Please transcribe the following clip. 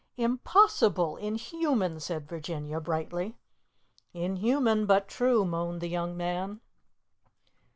"Impossible! Inhuman!" said Virginia brightly. "Inhuman, but true," moaned the young man.